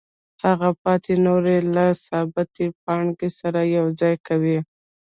هغه پاتې نوره له ثابتې پانګې سره یوځای کوي